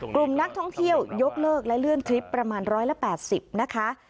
กลุ่มนักท่องเที่ยวยกเลิกและเลื่อนทริปประมาณ๑๘๐นะคะ